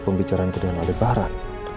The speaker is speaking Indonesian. pembicaraan ke dia nanti barat